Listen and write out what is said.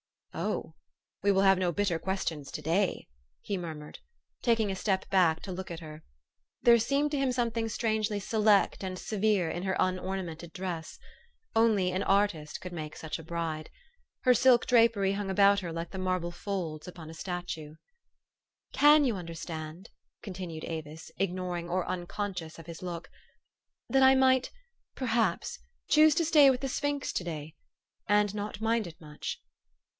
"Oh! we will have no bitter questions to day," he murmured, taking a step back to look at her. There seemed to him something strangely select and severe in her unornamented dress. Only an artist THE STORY OF AVIS. 233 could make such a bride. Her silk drapery hung about her like the marble folds upon a statue. u Can you understand," continued Avis, ignoring or unconscious of his look, " that I might perhaps choose to stay with the sphinx to day and not mind it much?